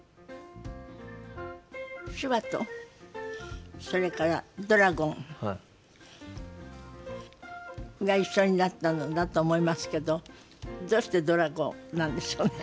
「手話」とそれから「ドラゴン」が一緒になったんだと思いますけどどうしてドラゴンなんでしょうね？